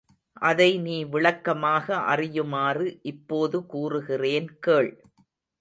அதை நீ விளக்கமாக அறியுமாறு இப்போது கூறுகிறேன் கேள்.